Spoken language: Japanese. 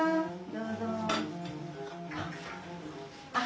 どうぞ。